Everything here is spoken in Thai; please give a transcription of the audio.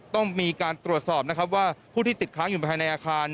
ต้องมีการตรวจสอบนะครับว่าผู้ที่ติดค้างอยู่ภายในอาคาร